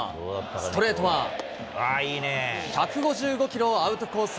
ストレートは１５５キロをアウトコース